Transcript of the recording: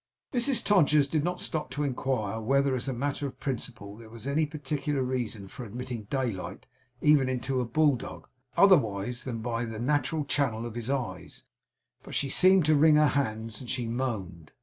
Mrs Todgers did not stop to inquire whether, as a matter of principle, there was any particular reason for admitting daylight even into a bulldog, otherwise than by the natural channel of his eyes, but she seemed to wring her hands, and she moaned.